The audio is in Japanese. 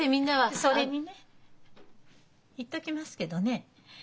それにね言っときますけどね